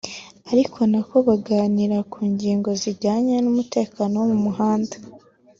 ari nako baganira ku ngingo zijyanye n’umutekano wo mu muhanda